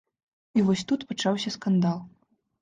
І вось тут пачаўся скандал.